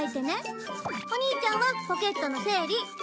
お兄ちゃんはポケットの整理。